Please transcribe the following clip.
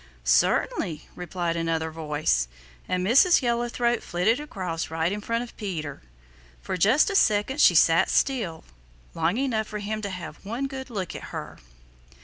"Certainly," replied another voice, and Mrs. Yellow throat flitted across right in front of Peter. For just a second she sat still, long enough for him to have one good look at her.